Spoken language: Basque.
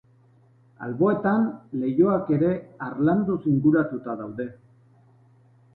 Alboetan, leihoak ere harlanduz inguratuta daude.